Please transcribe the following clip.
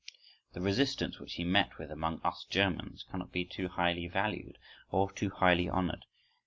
The resistance which he met with among us Germans cannot be too highly valued or too highly honoured.